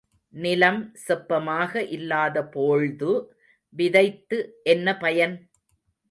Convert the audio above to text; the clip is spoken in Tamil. நிலம் செப்பமாக இல்லாதபோழ்து விதைத்து என்ன பயன்?.